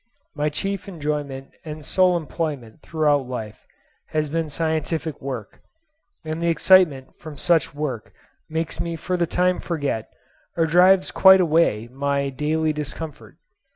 My chief enjoyment and sole employment throughout life has been scientific work; and the excitement from such work makes me for the time forget, or drives quite away, my daily discomfort.